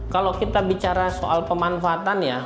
kalau kita bicara soal pemanfaatan ya